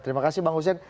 terima kasih bang hussein